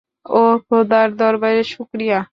ওহ, খোদার দরবারে শুকরিয়া।